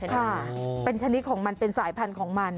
ค่ะเป็นชนิดของมันเป็นสายพันธุ์ของมัน